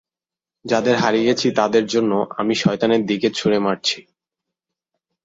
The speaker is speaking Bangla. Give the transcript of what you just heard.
যাদের হারিয়েছি তাদের জন্য, আমি শয়তানের দিকে ছুঁড়ে মারছি!